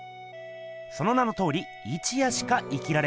その名のとおり一夜しか生きられない